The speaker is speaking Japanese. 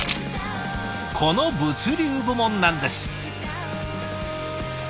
この物流部門なんです。